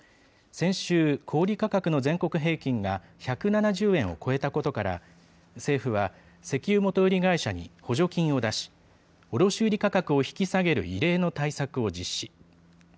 先週、小売り価格の全国平均が１７０円を超えたことから、政府は石油元売り会社に補助金を出し、卸売り価格を引き下げる異例の対策を実施。